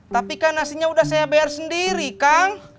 tapi kan nasinya sudah saya bayar sendiri kang